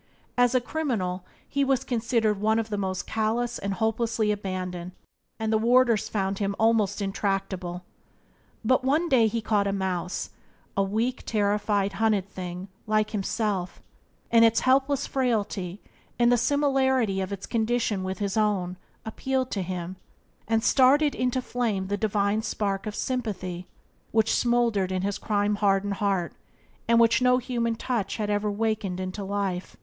As a criminal he was considered one of the most callous and hopelessly abandoned, and the warders found him almost intractable. But one day he caught a mouse — a weak, terrified, hunted thing like himself — and its helpless frailty, and the similarity of its condition with his own, appealed to him, and started into flame the divine spark of sympathy which smouldered in his crime hardened heart, and which no human touch had ever wakened into life.